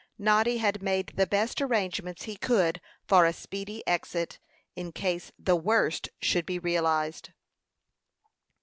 Noddy had made the best arrangements he could for a speedy exit, in case the worst should be realized.